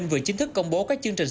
vừa chính thức công bố các chương trình